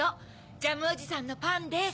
ジャムおじさんのパンです。